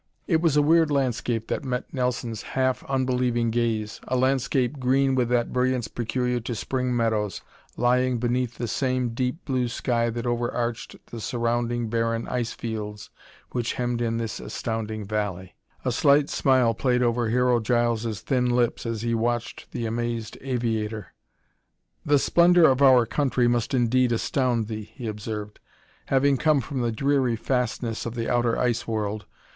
It was a weird landscape that met Nelson's half unbelieving gaze, a landscape green with that brilliance peculiar to spring meadows, lying beneath the same deep blue sky that overarched the surrounding barren ice fields which hemmed in this astounding valley. A slight smile played over Hero Giles' thin lips as he watched the amazed aviator. "The splendor of our country must indeed astound thee," he observed, "having come from the dreary fastness of the outer Ice World.